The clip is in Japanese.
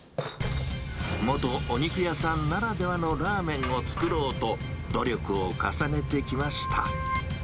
元お肉屋さんならではのラーメンを作ろうと、努力を重ねてきました。